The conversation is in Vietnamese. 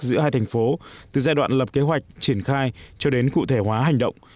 giữa hai thành phố từ giai đoạn lập kế hoạch triển khai cho đến cụ thể hóa hành động